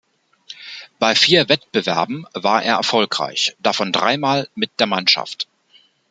Bei vier Wettbewerben war er erfolgreich, davon drei Mal mit der Mannschaft.